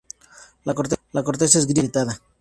La corteza es gris, dura, agrietada.